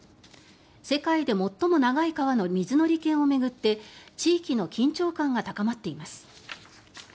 世界で最も長い川の水の利権を巡って地域の緊張感が高まっています。